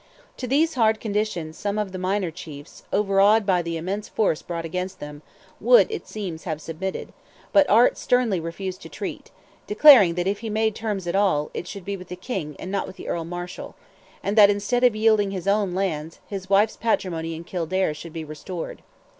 To these hard conditions some of the minor chiefs, overawed by the immense force brought against them, would, it seems, have submitted, but Art sternly refused to treat, declaring that if he made terms at all, it should be with the King and not with the Earl Marshal; and that instead of yielding his own lands, his wife's patrimony in Kildare should be restored.